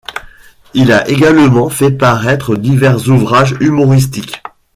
Il a également fait paraître divers ouvrages humoristiques.